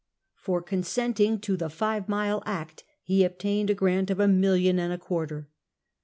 For consenting to the Five Mile Act he obtained a grant of a million and a quarter.